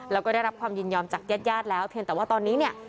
เราก็ได้รับความยินยอมจากแยดแล้วเพียงแต่ว่าตอนนี้เนี่ย